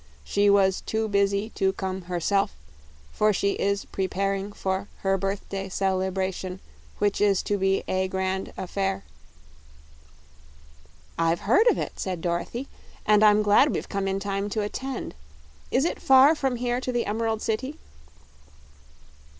She was too bus y to come her self, for she is pre par ing for her birth day cel e bra tion, which is to be a grand af fair." "I've heard of it," said Dorothy, "and I'm glad we've come in time to attend. Is it far from here to the Emerald City?"